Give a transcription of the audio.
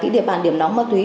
địa bàn điểm nóng ma túy